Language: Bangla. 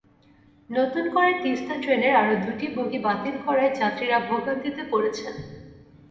নতুন করে তিস্তা ট্রেনের আরও দুটি বগি বাতিল করায় যাত্রীরা ভোগান্তিতে পড়েছেন।